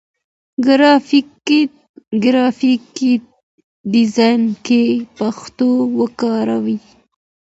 ګرافيک ډيزاين کې پښتو وکاروئ.